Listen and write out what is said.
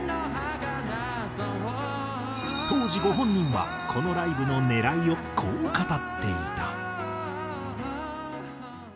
当時ご本人はこのライブの狙いをこう語っていた。